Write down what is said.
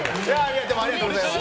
でもありがとうございます。